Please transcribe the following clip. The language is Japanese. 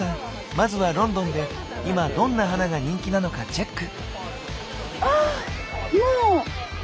まずはロンドンで今どんな花が人気なのかチェック。